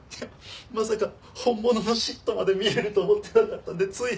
まさか本物のＳＩＴまで見れると思ってなかったんでつい。